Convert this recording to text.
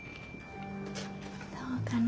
どうかな？